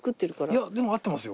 いやでも合ってますよ。